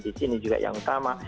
di sini juga yang utama